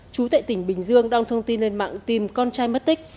chú tại tỉnh bình dương đong thông tin lên mạng tìm con trai mất tích